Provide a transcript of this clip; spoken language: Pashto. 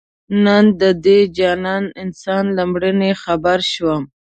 نن د دې جانانه انسان له مړیني خبر شوم